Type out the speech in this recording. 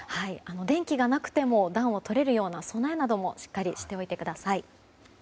電気がなくても暖をとれるような備えもしっかりしておいてください。